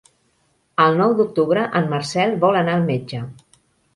El nou d'octubre en Marcel vol anar al metge.